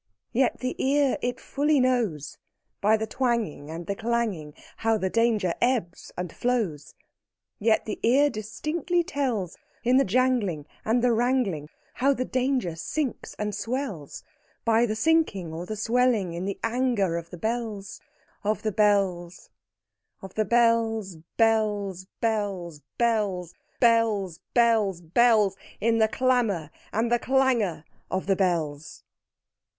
Yet the ear it fully knows, By the twanging, And the clanging, How the danger ebbs and flows; Yet the ear distinctly tells, In the jangling, And the wrangling, How the danger sinks and swells, By the sinking or the swelling in the anger of the bells Of the bells Of the bells, bells, bells, bells, Bells, bells, bells In the clamor and the clangor of the bells!